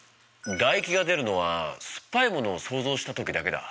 だ液が出るのは酸っぱいものを想像した時だけだ。